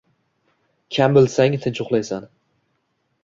kam bilsang, tinch uxlaysan.